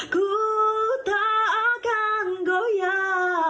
ku tak akan goyang